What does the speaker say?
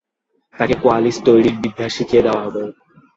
তাকে কোয়ালিস্ট তৈরির বিদ্যা শিখিয়ে দেয়া হবে।